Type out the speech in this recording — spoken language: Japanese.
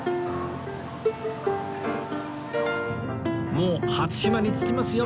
もう初島に着きますよ。